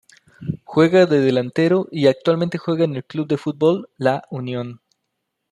Juega de delantero y actualmente juega en el Club de Fútbol La Unión.